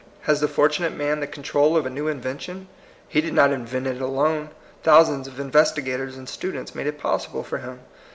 Has the fortunate man the control of a new invention? He did not invent it alone. Thousands of investigators and students made it possible for him.